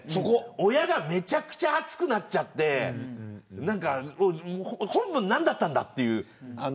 親がめちゃくちゃ熱くなっちゃって本分、何だったんだみたいな。